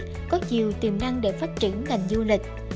nhưng ưu ái có nhiều tiềm năng để phát triển ngành du lịch